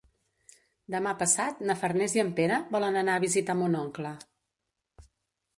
Demà passat na Farners i en Pere volen anar a visitar mon oncle.